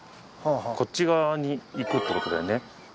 こっち側に行くってことだよね。